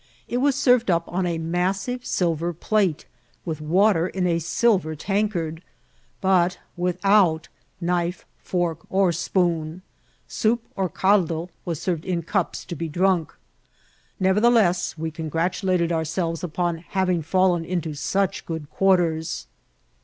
It was served up on a massive silver plate, with water in a silver tankard, but without knife, fork, or spoon ; soup or caldo was served in cups to be drunk. Never theless, we congratulated ourselves upon having fallen into such good quarters.